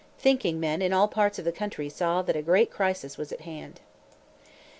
Thinking men in all parts of the country saw that a great crisis was at hand.